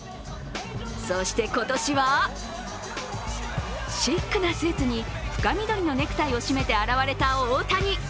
そして今年は、シックなスーツに深緑のネクタイを締めて現れた大谷。